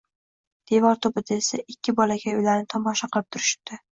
Devor tubida esa ikki bolakay ularni tomosha qilib turishibdi.